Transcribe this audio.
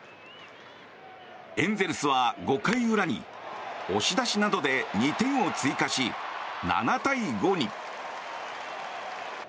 エンゼルスは５回裏に押し出しなどで２点を追加し７対５に。